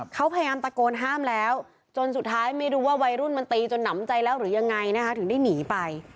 เขาพยายามตะโกนห้ามแล้วจนสุดท้ายไม่รู้ว่าวัยรุ่นมันตีจนหนำใจแล้วหรือยังไงนะคะถึงได้หนีไป